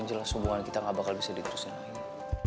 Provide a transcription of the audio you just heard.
yang jelas hubungan kita gak bakal bisa diterusin lagi